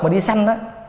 mà đi săn đó